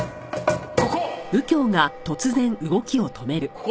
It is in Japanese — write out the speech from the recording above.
ここ！